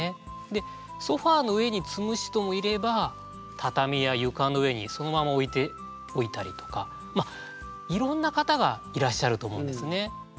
でソファーの上に積む人もいれば畳や床の上にそのまま置いておいたりとかまあいろんな方がいらっしゃると思うんですね。